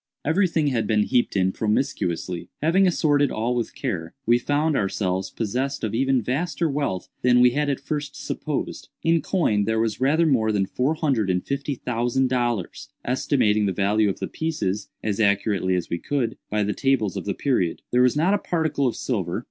Every thing had been heaped in promiscuously. Having assorted all with care, we found ourselves possessed of even vaster wealth than we had at first supposed. In coin there was rather more than four hundred and fifty thousand dollars—estimating the value of the pieces, as accurately as we could, by the tables of the period. There was not a particle of silver.